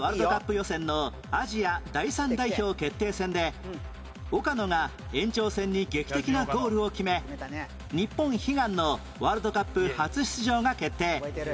予選のアジア第３代表決定戦で岡野が延長戦に劇的なゴールを決め日本悲願のワールドカップ初出場が決定